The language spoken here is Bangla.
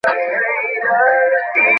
Hello, Andy.